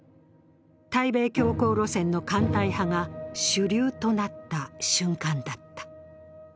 対米強硬路線の艦隊派が主流となった瞬間だった。